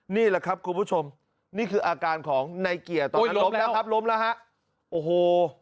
นี่แหละครับคุณผู้ชมนี่คืออาการของเกียร์ตอนนั้นล้มแล้วครับโอ้โห